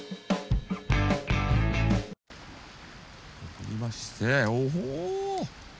盛りましてお。